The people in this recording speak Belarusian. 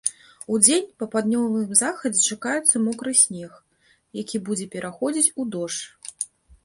Удзень па паўднёвым захадзе чакаецца мокры снег, які будзе пераходзіць у дождж.